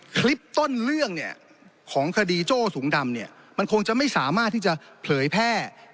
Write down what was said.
คลิปต้นเรื่องของคดีโจ้สูงดำมันคงจะไม่สามารถที่จะเผยแพร่